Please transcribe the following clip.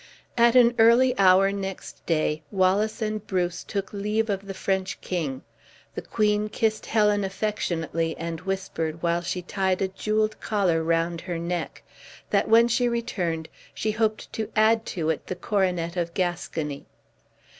At an early hour next day, Wallace and Bruce took leave of the French king. The queen kissed Helen affectionately, and whispered, while she tied a jeweled collar round her neck, that when she returned, she hoped to add to it the coronet of Gascony.